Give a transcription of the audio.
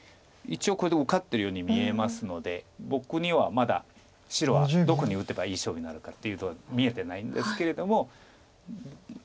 一応これで受かってるように見えますので僕にはまだ白はどこに打てばいい勝負になるかっていうのは見えてないんですけれども。